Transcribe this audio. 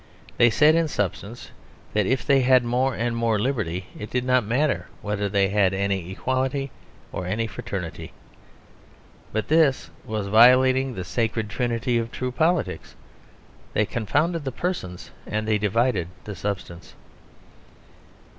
They said in substance that if they had more and more liberty it did not matter whether they had any equality or any fraternity. But this was violating the sacred trinity of true politics; they confounded the persons and they divided the substance.